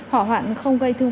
hỏa hoạn không gây thương